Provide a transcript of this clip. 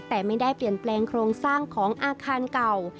แต่ไม่ได้เปลี่ยนแปลงโครงสร้างของอาคารเก่า